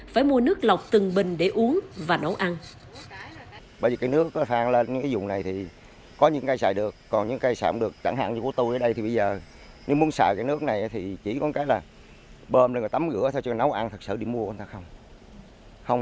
phải mua nước lọc từng bình để uống và nấu ăn